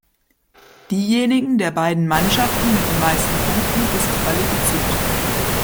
Diejenigen der beiden Mannschaften mit den meisten Punkten ist qualifiziert.